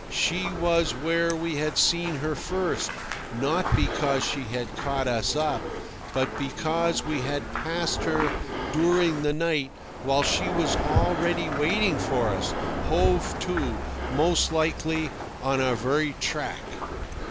She was where we had seen her first, not because she had caught us up, but because we had passed her during the night while she was already waiting for us, hove to, most likely, on our very track.